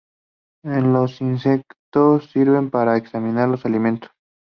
En los insectos sirven para examinar los alimentos.